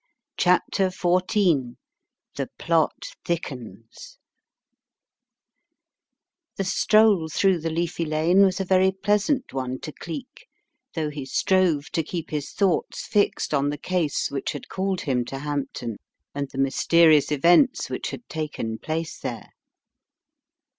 CHAPTER XIV THE PLOT THICKENS THE stroll through the leafy lane was a very pleasant one to Cleek though he strove to keep his thoughts fixed on the case which had cailed him to Hampton and the mysterious events which had taken place there.